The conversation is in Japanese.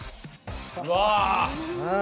うわ！